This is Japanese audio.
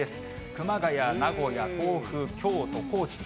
熊谷、名古屋、甲府、京都、高知と。